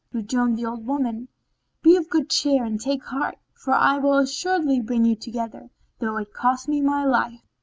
Rejoined the old woman, "Be of good cheer and take heart, for I will assuredly bring you together, though it cost me my life."